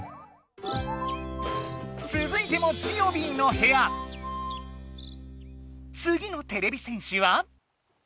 つづいてもつぎのてれび戦士は？